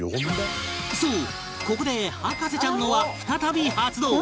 そうここで博士ちゃんの輪再び発動